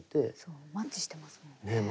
そうマッチしてますもんね。